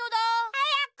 はやく！